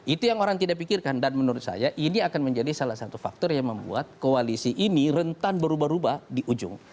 itu yang orang tidak pikirkan dan menurut saya ini akan menjadi salah satu faktor yang membuat koalisi ini rentan berubah ubah di ujung